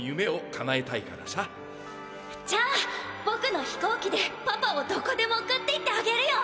じゃあぼくの飛行機でパパをどこでも送っていってあげるよ！